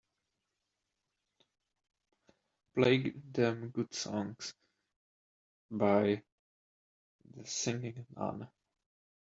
Play them good songs by The Singing Nun